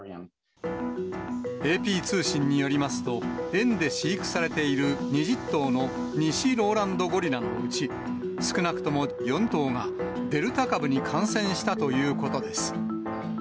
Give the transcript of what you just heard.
ＡＰ通信によりますと、園で飼育されている２０頭のニシローランドゴリラのうち、少なくとも４頭が、デルタ株に感染したということです。